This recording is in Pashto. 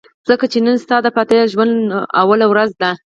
ځکه چې نن ستا د پاتې ژوند لپاره لومړۍ ورځ ده.